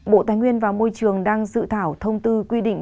bộ tài nguyên và môi trường đang dự thảo thông tư quy định